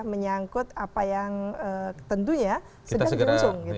menyangkut apa yang tentunya sedang diusung gitu